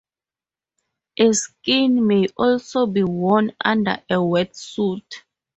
A "skin" may also be worn under a wetsuit.